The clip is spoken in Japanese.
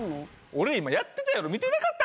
俺今やってたやろ見てなかったんか？